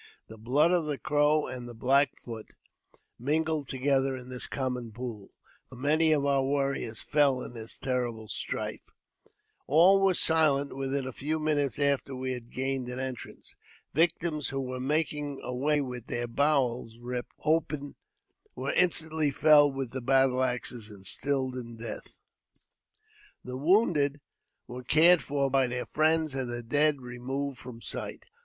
The blood of the Crow and the Black Foot mingled together in this common pool, for many of our warriors fell in this terrible strife. All was silent within a few minutes after we had gained an entrance. Victims who were making away with their bowels ripped open were instantly felled with the battle axe and stilled in death. The wounded were cared for by their friends, and the dead removed from sight.